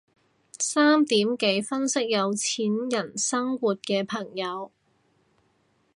三點幾分析有錢人生活嘅朋友